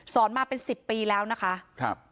สอนมาเป็นสิบปีแล้วนะคะครับ